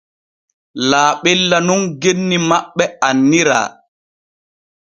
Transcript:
Laaɓella nun genni maɓɓe annira.